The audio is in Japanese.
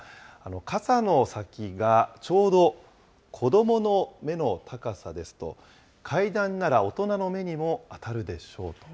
傘の先がちょうど子どもの目の高さですと、階段なら大人の目にも当たるでしょうと。